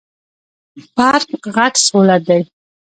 برق غټ سهولت دی.